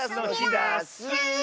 ダス！